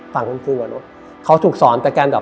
เบื่อเหราะเขาถูกสอนแต่การ